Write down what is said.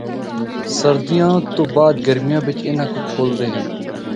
سردیوں تو بعد گرمیاں بچ اِناں کو کھولدے ہن۔